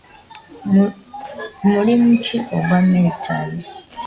Mulimu ki ogwa miritale?